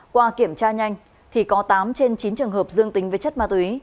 qua kiểm tra nhanh thì có tám trên chín trường hợp dương tính với chất ma túy